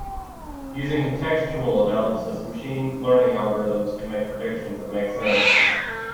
Using contextual analysis, machine learning algorithms can make predictions that make sense.